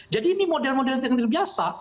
jadi ini model model yang biasa